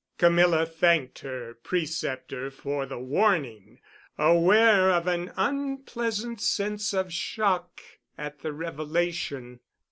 Camilla thanked her preceptor for the warning, aware of an unpleasant sense of shock at the revelation.